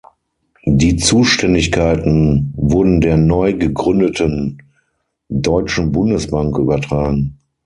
Die Zuständigkeiten wurden der neu gegründeten Deutschen Bundesbank übertragen.